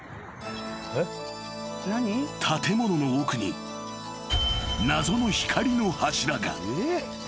［建物の奥に謎の光の柱が］